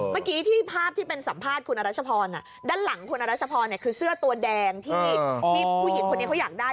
เมื่อกี้ที่ภาพที่เป็นสัมภาษณ์คุณอรัชพรด้านหลังคุณอรัชพรคือเสื้อตัวแดงที่ผู้หญิงคนนี้เขาอยากได้